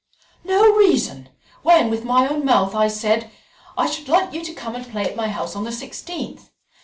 "No reason! when with my own mouth I said, 'I should like you to come and play at my house on the sixteenth.'